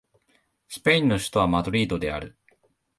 スペインの首都はマドリードである